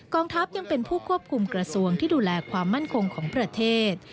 ทัพยังเป็นผู้ควบคุมกระทรวงที่ดูแลความมั่นคงของประเทศ